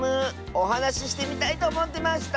おはなししてみたいとおもってました。